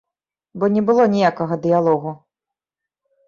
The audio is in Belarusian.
Бо не было ніякага дыялогу.